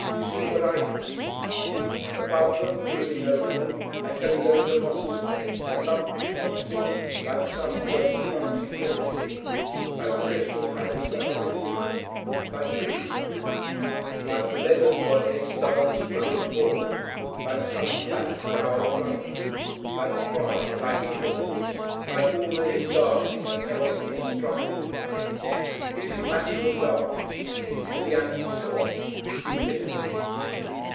See what I can see! Above them, brooding over them, I tell you there is a monster, a lumpish monster, like some great, clumsy griffin thing, like the Crystal Palace labyrinthodon, like Coote, like the leaden goddess Dulness Pope Abhorred, like some fat, proud flunkey, like pride, like indolence, like all that is darkening and heavy and obstructive in life. It is matter and darkness, it is the anti soul, Stupidity.